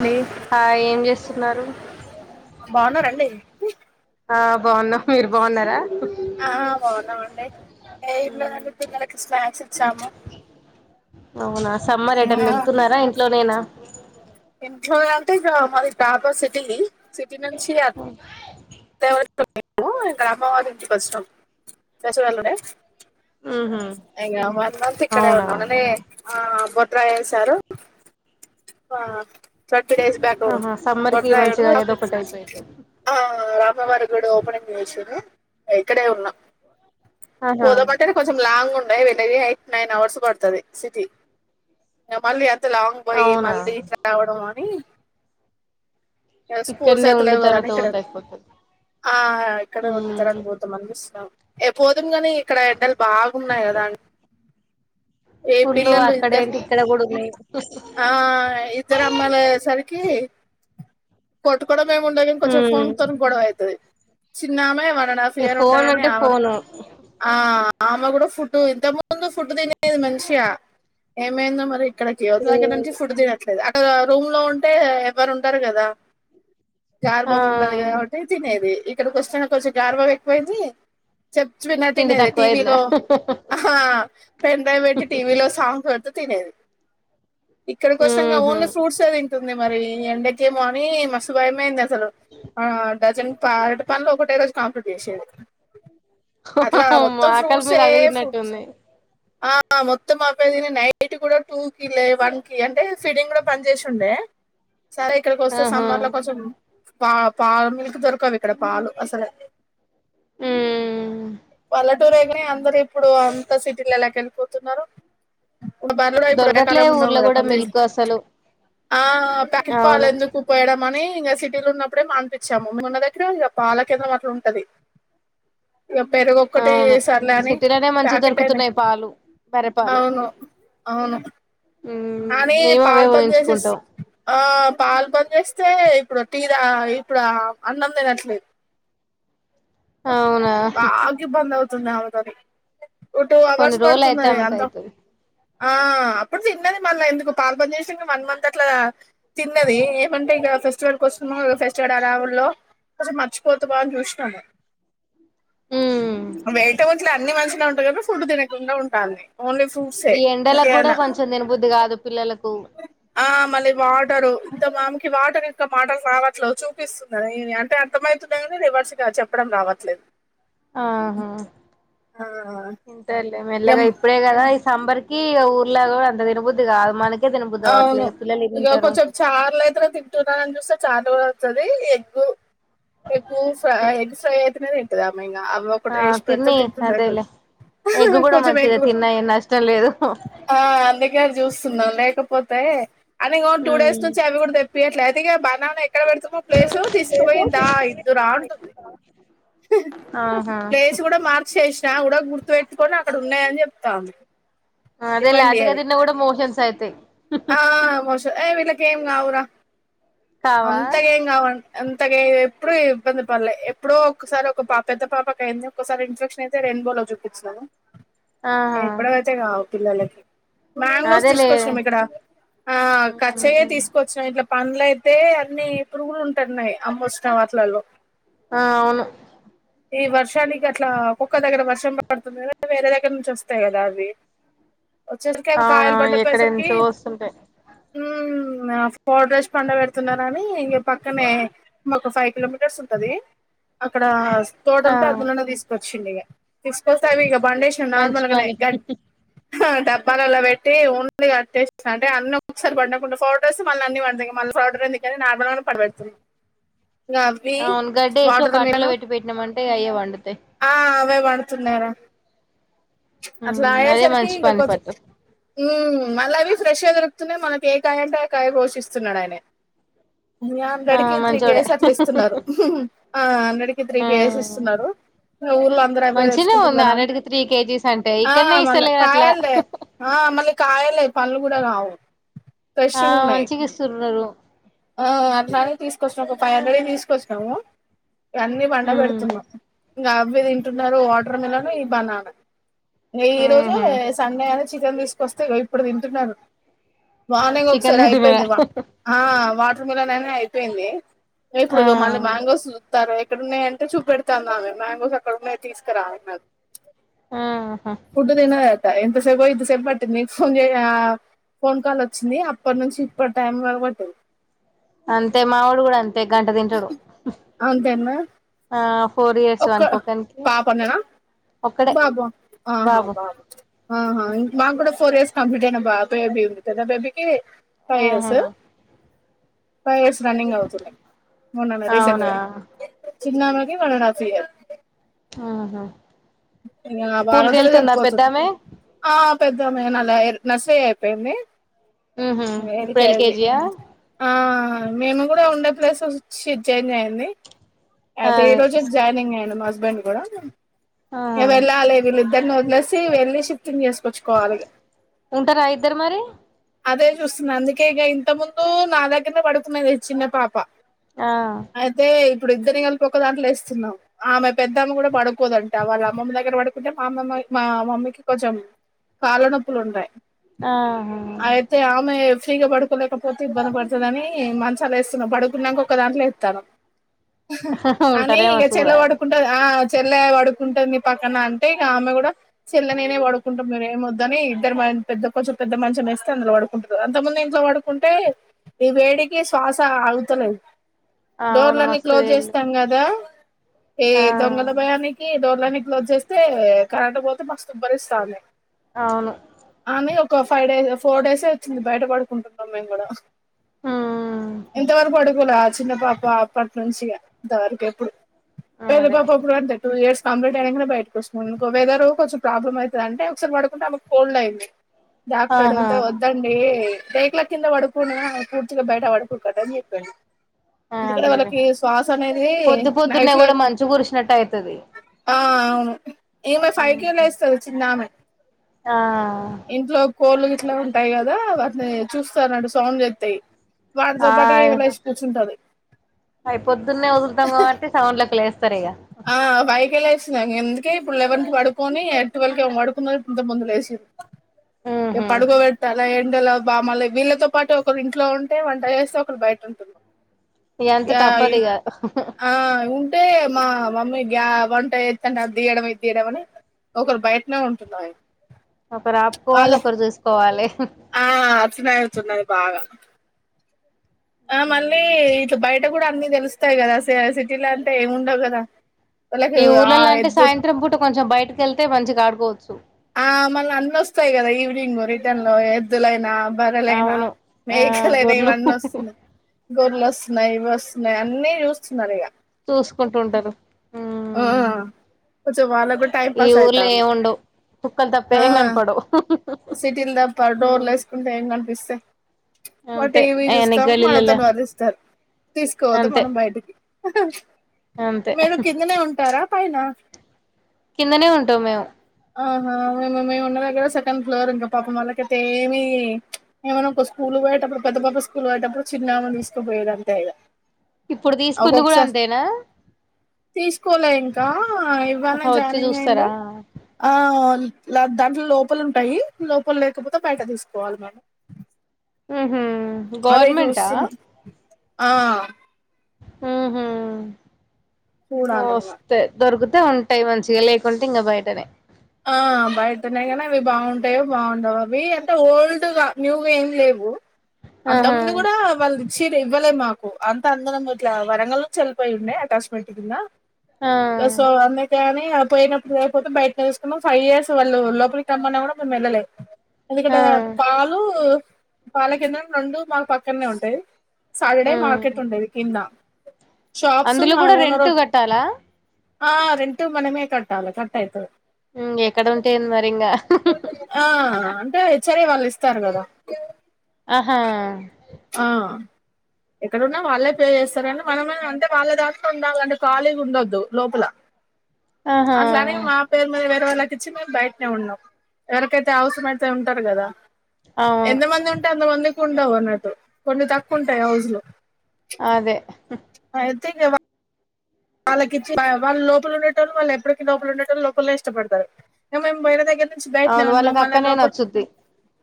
అండి హాయ్ ఏం చేస్తున్నారు బాగున్నారండి ఆ బాగున్నాం మీరు బాగున్నారా ఆ బాగున్నామండి ఏం లేదండి పిల్లలకి స్నాక్స్ ఇచ్చాము హాలో సమ్మర్ ఎటన్న వెళ్తున్నారా ఇంట్లో నేనా ఇంట్లో అంటే ఇగ మాది క్యాపాసిటీ అండి సిటీ నుంచి ఆ ఇగా అమ్మ వాళ్ళ ఇంటికి వచ్చినం చేసు వాళ్ళునే ఉహు ఇక వన్ మంత్ ఇక్కడే అవునా ఉన్నాం నిన్ననే ఆ బో ట్రై సారు ఆ థర్టీ డేస్ బ్యాక్ ఆహా సమ్మర్ కి బొడ్రాయి మంచిగా ఉన్ను ఏదో ఒకటి అయిపోయింది ఆ అమ్మవారి గుడి ఓపెనింగ్ చేసిండ్రు ఇగ ఇక్కడే ఉన్నా ఆహా పోదమంటేనే కొంచెం లాంగ్ ఉన్ ఎయిటు నైన్ అవర్స్ బడుతుది సిటీ మళ్ లాంగ్ పోయి అవునా మళ్ళీ ఇట్లా రావడం మ్మ్ ఆ స్కూల్స్ ఇక్కడనే ఐతే ఉండి లేవు కదనీ తర్వాత ఇక్కడే పోతే అయిపోతది ఆ ఇక్కడే ఉండి ఉమ్ తర్వాత పోతమని అని చూస్తున్నాం ఏ పోతే పోనీ కాని ఇక్కడ ఎండలు బాగున్నాయి కదా అండి ఏ పుల్లులు పిల్లలు అక్కడ ఇద్దరు ఏంటి ఇక్కడ కూడా ఉన్నాయ్ ఆ ఇద్దరు అమ్మాయిలయ్యేసరికి కొట్టుకోవడం ఏం ఉండదు గాని కొంచెం ఉమ్ ఫోన్ తోనే గొడవ అయితది చిన్నామే వ వన్ అండ్ హఫ్ ఇగ ఇయర్ ఫోన్ ఉంటాయిని అంటే [unintelligible] ఫోను ఆ ఆమె కూడా ఫుడ్ ఇంత ముందు ఫుడ్ తినేది మంచిగా ఏమైందో మరి ఇక్కడ ఇప్పుడు ఇందాకట నుంచి ఫుడుదినట్లేదు అక్ రూమ్ లో ఉంటే ఎవరు ఉండరు కదా ఆ చార్బా ముందర కాబట్టి తినేది ఇక్కడికి వస్తున్నక కొంచం గారబం ఎక్కువైంది. చెప్ తిండి విన్నటినేద తక్కువ అయిందా టీవీలో ఆహా పెండ్రైవ్ పెట్టి టీవీలో సాంగ్ పెట్టు తినేది ఇక్కడి కోసంగా ఉహు ఓన్లీ ఫ్రూట్స్ ఏ తింటుంది మరి ఎండకి ఇంకేమో అని మస్తు భయమైంది అసలు ఆ డజన్ ప అరటిపండ్లు ఒకటే రోజు కాంప్లీట్ చేసేడు. మరి ఆకలి మీద అవే తిన్నట్టు ఫ్రూట్స్ ఉన్నయ్. ఆ మొత్తం అవే తిని నైట్ కూడా టూ కిలే వన్ కి అంటే ఫీడింగ్లో పని చేసుండే సరే ఇక్కడికి వస్తే ఆహా సమ్మర్ లో కొంచెం పా పాలు మిల్క్ దొరకవు ఇక్కడ పాలు అసలు ఊమ్మ్ పల్లెటూరు అనగానే అందరు ఇప్పుడు అంత సిటీలలోకి వెళ్ళిపోతున్నారు. ఇప్పుడు బర్రెలు ఇప్పుడు దొరకట్లే ఎండకాలం ఉండవు ఊర్లో కదా కూడా [unintelligible] మిల్క్ అసలు ఆ ప్యాకెట్ ట్ పాలు అవును ఎందుకు పోయడం అని ఇంకా సి పిల్ల ఉన్నప్పుడే మానిపించాము ఉన్న దగ్గర ఇక పాలకేద్రం అట్లా ఉంటది ఎప్పు పెరుగొక్కటి అవును సర్లే అని సిటీలోనే మంచి ప్యాకెట్ేని దొరుకుతున్నాయి పాలు బర్రెపాలు అవును అవును ఉమ్ ఆమె మేము అవే పాాల పని చేసేస్ పోయించుకుంటాం ఆ పాలపాలని చేస్త అంతే ఇప్పుడు టీ తా ఇప్పుడు అన్నంతినట్లేదు అవునా బాగ ఇబ్బంది అవుతూ నవ్వతది ఓ టూ కొన్ని అవర్స్ రోజులు పడుతుంది అయితే అది అంత అమ్మకైతది ఆ అప్పుడు తిన్నది మళ్ళ ఎందుకు పాల్పని చేసి వన్ మంత్ అట్లా తిన్నది ఏమంటే ఇక ఫెస్టివల్ కోసం ఉందికదా ఫెస్టివల్ హడావుడిలో అసలు మర్చిపోతావా అని చూసినాను ఉమ్ వేటవుంచిలో అన్ని మంచి లా ఉంట కదా ఫుడ్ తినకుండా ఉండాలి ఈ ఎండలకు కూడా కొంచెం దినబుద్ది కాదు పిల్లలకు ఆ మళ్ళీ వాటరు అంత మామెకి వాటర్ ఇకా మాటలు రావట్లేదు చూపిస్తుంది అంటే అర్థమవుతున్నాయి కానీ రివర్స్ గా చెప్పడం రావట్లేదు ఆహా ఆ తింటారులే ఎం మెల్లగా ఇప్పుడే కదా సంబరికి ఊర్ల కూడా అంత తినబుద్ది కాదు మన అవును ఇగ కొంచెం చార్ల అయితేనే తింటున్నారని చూస్తే చార్లు కూడా వస్తది ఎగ్గు ఎగు ఫ ఎగ్ ఫ్రై అయితేనె తి ఇదాం అ ఆ ఒకటి వేసి పెడితే తిని తింటన్నా కొ అదేలే ఎగ్ కూడా కొంచం మంచిదే ఎగ్గు తిన్నా ఏం నష్టం లేదు అందుకని చూస్తున్నాం లేకపో పోతే అని టూ డేస్ ఉమ్ నుంచి అవి కూడా తెప్పియట్లే అతిగా బనాన ఎక్కడ పెడుతమొ ప్లేసు తీసుకుపోయి దా ఇద్దురా అంటుంది ఆహా ప్లేస్ కూడా మార్చేసినా కూడా గుర్తు పెట్టుకొని అక్కడ ఉన్నాయని చెప్తాంది అదేలే ఇవ్వండి అతిగా అని తిన్నా కూడా మోషన్స్ ఆయి తయ్ ఆ మొష ఏ విల కేేం కావురా కావా అంతగా ఏం కావు అంతగా ఎప్పుడూ ఇబ్బంది పడలే ఎప్పుడో ఒకసారి ఒక పా పెద్ద పాపకి అయింది ఒకసారి ఇన్ఫెక్షన్ అయితే రెయిన్బో లో చోపిచ్చినాము. ఆహా ఇప్పుడకైతే కావు పిల్లలకి మ్యాంగోస్ అదేలే తీసుకొచ్చినం ఇక్కడ ఆ కచ్చయే తీసుకొచ్చిన ఇట్లా పండ్ల అయితే అన్ని పురుగులు ఉంటన్నాయి అమ్మోచ్చిన వాటిలల్లో ఆ అవును ఈ వర్షానికి అట్లా ఒక్కొక్క దగ్గర వర్షం పడుతుంది క వేరే దగ్గర నుంచి వస్తాయి కదా అవి వచ్చేసరికి అవి కాయలు పండపోయేసరికి టె ఆ పౌడర్ రేసి పండబెడుతున్నారని ఈ పక్కనే మా ఫైవ్ కిలోమీటర్స్ ఉంటది అక్కడ ఆ తోడుంటే అదున్న తీసుకొచ్చ చ్చిడిఘ తీసుకోస్తాం ఇగా ఫౌండేషన్ మంచి నార్మల్గానే పని గట్ హూ డబ్బాలలో పెట్టి ఉండగాట్టే అంటే అన్నీ ఒకసారి పడినపడు ఫోర్డేస్ మళ్ళ అన్ని పడుతా మళ్ళీ ఫోర్డర్ంది కానీ నార్మల్ గా పడిబడుతుంది అవును గడ్డేసి ఒక అట్టలో పెట్టి పెట్టినామంటే అయ్యే పండుతాయి ఆ అవే పడుతున్నరా ప్చ్ అట్లా ఉమ్ అయ అదే సరికి మంచి ఇక పని కొంచం పట్టు ఉ మళ్ళవి ఫ్రెష్ గా దొరుకుతున్నాయి మనకి ఏకాయ అంటే ఆ కాయ కోషిస్తున్నాడు ఆయన ఆ అందడికి త్రీ మంచోడే కేజస్ అట్లా ఇస్తున్నారు ఆ హండ్రెడ్కి త్రీ కేజెస్ ఆ ఇస్తున్నారు మన ఊర్లో అందరు అవే మంచినే ఉంది తెచ్చుకొంటున్నారు హండ్రెడ్కి త్రీ కేజీస్ అంటే ఆ ఇక్కడనే మల్లా ఇస్తలేరు అట్లా కాయాల్దె ఆ మళీ కాయలె పళ్ళు కూడా రావు ఆ మంచిగా ఇస్తున్నారు ఆ అట్లానే తీసుకొచ్చిన ఒక ఫైవ్ హండ్రెడ్ హే తీసుకొచ్చాము ఇవన్నీ పండ ఉమ్ పెడుతున్నాం ఇంకా అవి తింటున్నారు వాటర్ మిలన్ ఈ బనానా ఈ రోజు ఉహు సండే అని చికెన్ తీసుకొస్తే ఇప్పుడు తింటున్నారు మార్నింగ్ చికెన్ ఒకసారి తింటున్నారా అయిపోయింది బ ఆ వాటర్ మిలన్ అనే అయిపోయింది ఇప్పుడు ఆ ఇగా మల్ల మ్యాంగోసు ారు ఎక్కడున్నాయి అంటే చూపెడతానను మ్యాంగోస్ అక్కడన్నాయి తీసుకురా నాకు ఆహా ఫుడ్డు తినయా ఎంతసేపు ఇంత సేపు పట్టింది ఫోన్ చే ఫోన్ కాల్ వచ్చింది అప్పటి నుంచి ఇప్పటి టైం వరక్ పట్టింది అంతే మావడు కూడా అంత అంతేన్న ఆ ఫోర్ ఇయర్స్ ఒక అనుకోకనికి పాపన్నానా ఒక్కడే బాబా హా బాబు ఆహా మాకు కూడా ఫోర్ ఇయర్స్ కంప్లీట్ అయిన బాబేబ బి పెద్ద బేబీ కి ఫైవ్ ఇయర్స్ ఆహా ఫైవ్ ఇయర్స్ రనింగ్ అవుతున్నాయి మొన్ననే అవునా రీసెంట్గా చిన్నామకి వన్ అండ్ ఆఫ్ ఇయర్ ఆహా ఆ స్కూల్ కి బాగారోజులైతుర్రూ వెళ్తుందా పోతుర్రు పెద్దామె పెద్దమ ఏనా లాయర్ నర్సింగ్ అయిపోయింది హ్మ్మ్ ఇప్పుడు L K LKG G yeah ఆ మేము కూడా ఉండే ప్లేసెస్ శి చేంజ్ ఐంది అదే ఈ రోజే జానింగ్ను అయింది మా బెండ్ కూడా ఆ ఇవాళ [unintelligible] నన్ను వదిలేసి వెళ్ళేసి ఉంటారా ఇద్దరు మరి అదే చూస్తున్నా అందుకే ఇగ ఇంత ముందు నా దగ్గర్నే పడుకునేది చిన్న పాప ఆ అయితే ఇప్పుడు ఇద్దరి కలిపు ఒక దాంట్లో వేస్తున్నాం ఆమె పెద్దమే కూడా పడుకోదండి వాళ్ళ అమ్మమ్మ దగ్గర పడుకుంటే మా అమ్మ మా మమ్మీకి కొంచెం కాల్లనోప్పులు ఉండే ఆహా ఫ్రీగా పడుకోలేకపోతే ఇబ్బంది పడుతదని మంచాలు వేస్తున్నా పడుకున్నాక ఒక దాంట్లో ఎతాన్నం ఆమె ఉంటారేమో ఇగ చేర్లా చూడాలి పడుకుంటది ఆ చెల్లే వడు డుకుంటుంది పక్కన అంటే ఇగ అంటే ఆమె కూడా చెల్ల నేనే పడుకుంటాం మీరు ఏమ వద్దని ఇద్దరు మ పెద్ద కొంచెం పెద్ద మంచం వేస్తే అందులో పడుకుంటారు అంత ముందు ఇంట్లో పడుకుంటే ఈ వేడికి శ్వాస ఆగుతలేదు. అవును డోర్లన్నీ మస్తు క్లోజ్ ఏళ్ళు చేస్తాం కదా ఏ ఆ దొంగల భయానికి డోర్లన్నన్ని క్లోజ్ చేస్తే కరంట్ పోతే మస్తు ఉబ్బరిస్తాంది అవును అని ఒక ఫైవ్ డేస్ ఫోర్ డేస్ ఐతుంది బయట పడుకుంటున్నాం మేము కూడా ఉమ్ ఇంత వరకు పడుకోలే చిన్న పాప అప్పటి నుంచి ఇంతవరకు ఎప్పుడు వేద అదే పాప అప్పుడు పంటది పీరియస్ కంప్లీట్ అయినాక బయటకు వస్తం ఇంక అపుడు కొంచెం ప్రబ్ల అవుతు అంటే ఒకసారి పడుకుంటేకు కోల్డ్ అయింది. డాక్టర్ ఆహా అడుగుతే వద్దండి రేక్ల కింద పడుకునే ఆమె పూర్తిగా బయట వడుకోవద్ధని చెప్పిండు ఆ ఎందుకంటే అదేది వాళ్ళకి శ్వాస అనేది పొద్దు నైట్ పొద్దున్న కూడా లో మంచు కురిసినట్టు ఐతది ఆ అవును ఏమ ఫైవ్ కే లేస్తది చిన్నమే ఆ ఇంట్లో కోళ్ళ గిట్ అట్లా ఉంటాయి కదా వాటిని చూస్తా అన్నటు సౌండ్ ఎస్తాయి ఆ అవి పొద్దున్నే వదులుతాం కాబట్టి సౌండ్ల కి లేస్తాం సారీగ ఆ ఫైకే లేసింనా ఎందుకే ఇప్పుడు లెవెన్ కి పడుకొని ట్వెల్వకి ఎమో పడుకుంది ఇంతకు ముందు లేసింది ఏ ఉహు పడుకోబటలే గుండల బామలు వీళ్ళతో పాటు ఒకరు ఇంట్లో ఉంటే వంట చేస్తే ఒకరు బయట ఉంటురు ఎంత తప్పదిగా తే మా మమ్మీ గ్యా వంట చేతన్ టె అది తీయడం ఇది తీయడంమని ఒకరు బయటనే ఉంటున్నా ఒకరు అప్పుకోవాలె ఒకరు చూసుకోవాలే ఆ అచ్చనాయతున్నది బాగా ఆ మళ్ళీ ఇటు బయట కూడా అన్ని తెలుస్తాయి కదా సిటీలో అంటే ఏమిండవు కదా వాళ్ళకి ఈ ఆ ఊర్లలో అంటే ఎద్దు సాయంత్రం పూట కొంచెం బయటకి వెళ్తే మంచిగా ఆడుకోవచ్చు ఆ మళ్ళీ అన్నీ వస్తాయి కదా ఈవినింగ్ రిటర్న్ లో ఎద్దులైనా బరలైనా అవును ఆ మేకలైనా ఇవన్నీ గొర్లు వస్తుంది గొరలు వస్తు స్తున్నాయి ఇవి వస్తున్నాయి అన్నీ చూస్తున్నారు ఇక చూసుకుంటు ఉంటారు ఆ కొంచం వాళ్ళ ఈ ఊరిలో ఏం ఉండవు కుక్కలు తప్ప ఏం కనపడవు సిటీల్ దప్ప డోర్ లైస్కుం పిస్తే అంతే టివీ అయన్ని చూస్తాం గల్లీలలా మనతోని వదిస్తారు తీసుకోవద్ అంతే మనం బయటికి అంతే మీరు కిందనే ఉంటారా పైన కిందనే ఉంటాం మేము ఆహా మే మేము ఉన్నా దగ్గర సెకండ్ ఫ్లోర్ ఇంకా పాపం మళ్ళక అయితే ఏమి ఏమన్నా ఒక స్కూల్ పోయేటప్పుడు పెద్ద పాప స్కూల్ పోయేటప్పుడు చిన్నమెని తీసుకుపోయేది అంతే ఇగ ఇప్పుడు తీసుకుంది కూడా ఒక్కొక్కసారి అంతేనా తీసుకోలే ఇంక ఆ ఇవ్వాల్నే ఆహా వచ్చి జాయినింగ్ అయిండు చూస్తారా ఆ దాంట్లో లోపలు ఉంటాయి లోపల లేకపోతే బయట తీసుకోవాలి మే ఉహు గవర్నమెంటా ఆ మ్మ్ హు చూడాలి ఇంగ. వోస్తే దొర్గు అ ఉంటయి మంచిగా లేకుంటే ఇంగ బయటనే ఆ బయటన్నాయి గని అవి బాగుంటాయో బాగుండవో అవి అంటే ఓల్డ్గా న్యూగా ఏం లేవు అంత ఆహా ముందు గుడ వాళ్ళు చీర ఇవ్వలే మాకు అంత అందరం ఇట్లా వరంగల్ నుంచి వెళ్లిపోయి ఉండే అటాచ్మెంట్ కింద ఆ బసో అమె కని ఆ పోయినప్పుడు లేపోతే బయటనే తీస ఫైవ్ ఇయర్స్ వాళ్ళు లోపలికన్నామ కూడా మేము వెళ్ళలే ఎందుకంటే ఆ పాలు పాలకింద రెండు మాకు పక్కనే ఉంటాయి సటర్డే మాార్కట్ ఉంటది కింద షాప్స్ అందులో మా గుడ ఓనర్ రెంటు కట్టాలా ఆ రెంటు మనమే కట్టాలే కట్ అయితది మ్ ఎక్కడ ఉంటే ఏంది మరి ఇంగా ఆ అంటే హెఆర్ఐ వాళ్ళు ఇస్తారు కదా ఆహా ఆ ఎక్కడున్నా వాళ్ళే పే చేస్తరు గని మనమ అంటే వాళ్ళ దాంట్లో ఉండాలని ఖాళీగా ఉండొద్దు లోపల ఆహా అట్లనీ మా పేరు మీద వేరే వాళ్ళ ఇచ్చిపోయి బయట్నే ఉన్నాం ఎవరికైతే అవసరంమయితే ఉంటారు కదా అవును ఎంత మంది ఉంటే అంత మంది ఉండేవన్నట్టు కొన్ని తక్కువ ఉంటయి హౌజులు అదే అహ్ [unintelligible] వాళ్ళకి ఇచ్చి వాళ్ళ లోపల ఉండేటోళ్ళు వాళ్ళ ఎప్పటికి లోపల ఉండేటోళ్ళు లోపలనే ఇష్టపడతరు ఇగ మేము బొయిన దగ్గర నుంచి బయటనే అవును ఉన్నాం వాళ్ళకి మళ్ళ అక్కనే లోపల నచ్చుద్ది.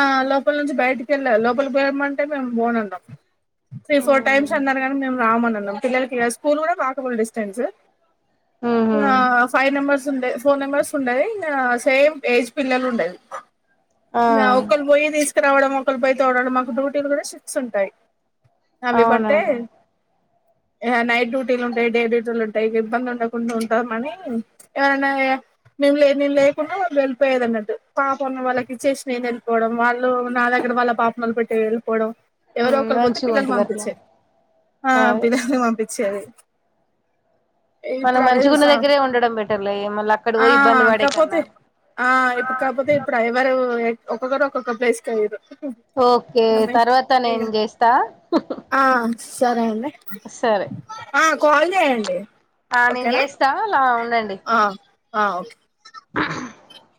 ఆ లోపల నుంచి బయటికి వెళ్ళాలి లోపలికి వెళ్మంటే మేము బోనన్నాం. త్రీ ఫోర్ టైమ్స్ ఉమ్ అన్నారు కానీ మేము రామన్నాం. పిల్లకి స్కూల్ కూడా వాకబుల్ డెక్టెన్స్. టెన్స్ ఉహు ఆ ఫైవ్ నెంబర్స్ తుండే ఫోన్ నెంబర్స్ ఉండయి ఆ సేమ్ ఏజ్ పిల్లలు ఉండె ఆ ఇగా ఒక్కలు వొయి తీసు రావడం ఒకరి పై తొలడం మాకు డూటీలు కూడా షిప్ట్స్ ఉంటాయి. అవి బట్టే అవునవును ఇహ నైట్ డ్యటీలు ఉంటాయి డె డ్యూ లుంటాయి ఇబ్బంది ఉండకుండా ఉంట మని ఎవరన్నా మేము నేను లేకుండా వెళ్ళిపోయదన్నట్టు పాప వాళ్ళకి ఇచ్చేసి నేను వెళ్ళిపోవడం వాళ్ళు నా దగ్గర వాళ్ళ పాప వాళ్ళ పెట్టి వెళ్ళి పోవడం ఎవరు ఉమ్ ఒకళ్రు పోతే మంచిగా పిల్లలు ఉంటది అట్లా పంపించేది ఆ అదే పిల్లల్ని పంపించేది. మనం ఇప్పుడు అదే మంచిగున్న చూస్తాన్నం దగ్గరే ఉండడం బెటర్లే మళ్ళీ అక్కడ ఆ పోయి ఇబ్బంది పడే కాకపోతే కన్నా ఆ ఇప్పు కాకపోతే ఇప్పుడు ఎవరు ఒక్కొక్కరు ఒక్కొక్క ప్లేస్కయిరు. ఓకే తర్వాత నేన్ చేస్తా సరేనండి సరే కాల్ చేయన్ ండి ఆ నేను చేస్తా అలా ఉండండి. ఆ ఆ ఓకే హ్మ్